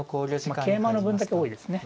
まあ桂馬の分だけ多いですね。